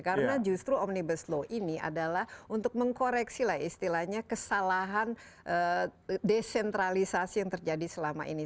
karena justru omnibus law ini adalah untuk mengkoreksi lah istilahnya kesalahan desentralisasi yang terjadi selama ini